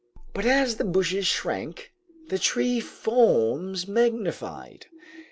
But as the bushes shrank, the tree forms magnified.